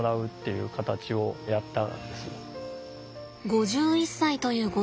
５１歳というご